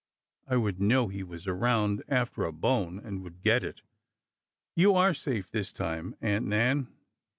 I would know he was around after a bone— and would get it 1 ''" You are safe this time, Aunt Nan.